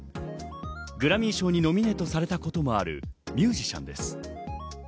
グラミー賞にノミネートされたこともあるミュージシャンです。